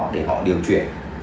để họ điều chuyển